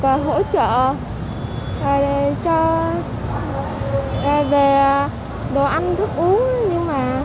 giúp trợ và để cho về đồ ăn thức uống nhưng mà